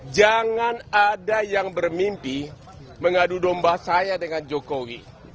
jangan ada yang bermimpi mengadu domba saya dengan jokowi